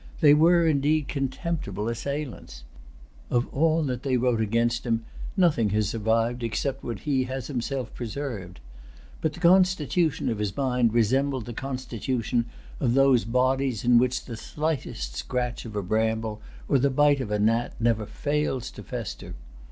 They were, indeed, contemptible assailants. Of all that they wrote against him, nothing has survived except what he has himself preserved. But the constitution of his mind resembled the constitution of those bodies in which the slightest scratch of a bramble, or the bite of a gnat, never fails to fester.